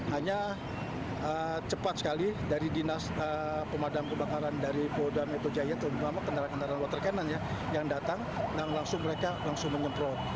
hanya cepat sekali dari dinas pemadam kebakaran dari polda metro jaya terutama kendaraan kendaraan water cannon ya yang datang dan langsung mereka langsung menyemprot